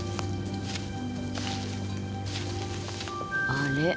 あれ？